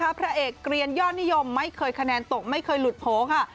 พระเอกเกลียนยอดนิยมไม่เคยคะแนนตกไม่เคยหลุดโผล่ค่ะ